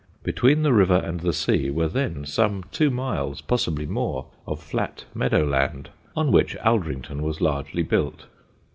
Between the river and the sea were then some two miles possibly more of flat meadow land, on which Aldrington was largely built.